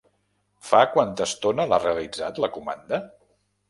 Fa quanta estona l'ha realitzat, la comanda?